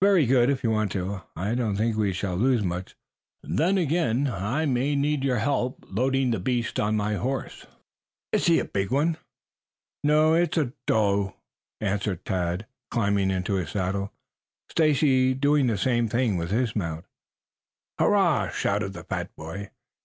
"Very good, if you want to. I don't think we shall lose much. Then again I may need your help in loading the beast on my horse." "Is he a big one?" "No, it is a doe," answered Tad, climbing into his saddle, Stacy doing the same with his mount. "Hurrah!" shouted the fat boy.